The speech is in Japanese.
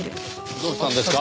どうしたんですか？